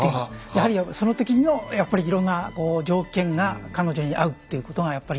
やはりその時のやっぱりいろんなこう条件が彼女に合うっていうことがやっぱり。